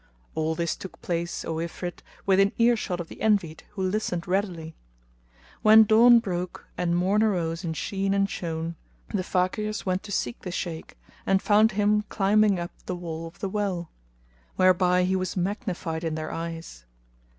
All this took place, O Ifrit, within earshot of the Envied who listened readily. When dawn broke and morn arose in sheen and shone, the Fakirs went to seek the Shaykh and found him climbing up the wall of the well; whereby he was magnified in their eyes.